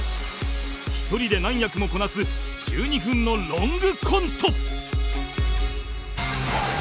１人で何役もこなす１２分のロングコント